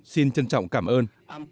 xin trân trọng cảm ơn